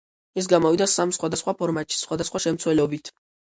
ის გამოვიდა სამ სხვადასხვა ფორმატში სხვადასხვა შემცველობით.